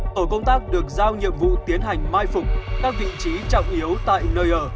tổ công tác được giao nhiệm vụ tiến hành mai phục các vị trí trọng yếu tại nơi ở